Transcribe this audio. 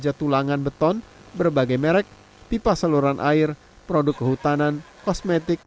produk baja tulangan beton berbagai merek pipa seluruhan air produk kehutanan kosmetik